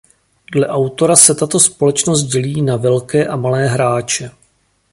Dle autora se tato společnost dělí na „Velké a Malé hráče“.